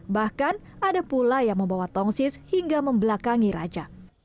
bahkan ada pula yang membawa tongsis hingga membelakangi raja